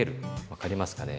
分かりますかね。